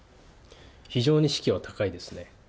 非常に士気は高いですね。